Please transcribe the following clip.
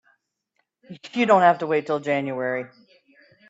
You don't have to wait till January.